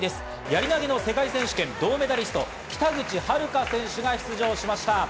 やり投げの世界選手権銅メダリスト・北口榛花選手が出場しました。